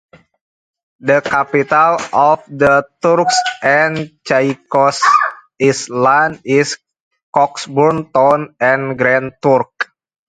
The capital of the Turks and Caicos Islands is Cockburn Town on Grand Turk.